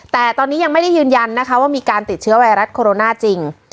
แต่ตอนนี้ยังไม่ได้ยืนยันนะคะว่ามีการติดเชื้อไวรัสโคโรนาจริง